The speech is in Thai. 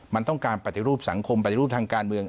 มันต้องการปฏิรูปสังคมปฏิรูปทางการเมือง